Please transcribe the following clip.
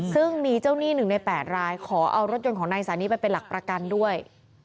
ซึ่งมีเจ้าหนี้๑ใน๘รายขอเอารถยนต์ของนายสานีไปเป็นหลักประกันด้วย